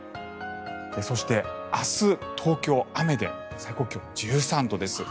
そして明日、東京、雨で最高気温１３度です。